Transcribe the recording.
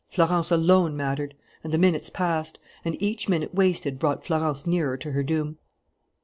Florence alone mattered. And the minutes passed; and each minute wasted brought Florence nearer to her doom.